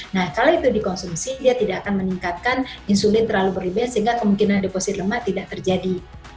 nah kalau itu dikonsumsi dia tidak akan meningkatkan insulin terlalu berlebihan sehingga kemungkinan deposit lemak tidak terjadi